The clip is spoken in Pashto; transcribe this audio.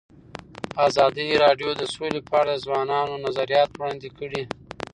ازادي راډیو د سوله په اړه د ځوانانو نظریات وړاندې کړي.